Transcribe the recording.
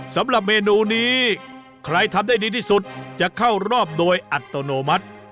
สำหรับเมนูนี้ใครทำได้ดีที่สุดจะเข้ารอบโดยอัตโนมัติ